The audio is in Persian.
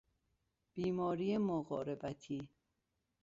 بیماری مقاربتی